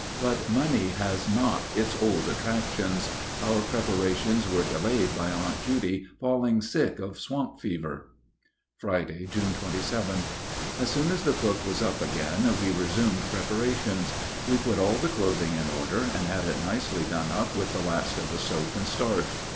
But money has not its old attractions. Our preparations were delayed by Aunt Judy falling sick of swamp fever. Friday, June 27. As soon as the cook was up again, we resumed preparations. We put all the clothing in order, and had it nicely done up with the last of the soap and starch.